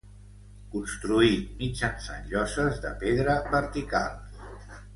Construït mitjançant lloses de pedra verticals.